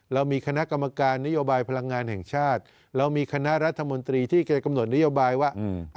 เรามีคณะกรรมการนโยบายพลังงานแห่งชาติเรามีคณะรัฐมนตรีที่แกกำหนดนโยบายว่า